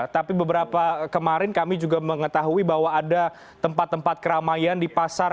tapi beberapa kemarin kami juga mengetahui bahwa ada tempat tempat keramaian di pasar